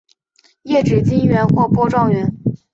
叶纸全缘或波状缘。